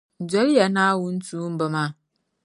Doli ya Naawuni tuumba maa.